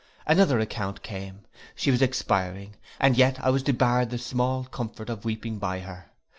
Another account came. She was expiring, and yet I was debarred the small comfort of weeping by her.